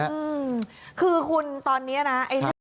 อืมคือคุณตอนเนี้ยนะไอ้